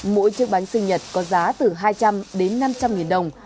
mỗi chiếc bánh sinh nhật có giá từ hai trăm linh đến năm trăm linh nghìn đồng